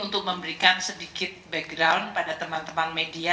untuk memberikan sedikit background pada teman teman media